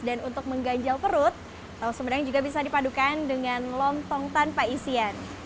dan untuk mengganjal perut tahu sumedang juga bisa dipadukan dengan lontong tanpa isian